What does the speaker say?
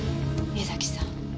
江崎さん。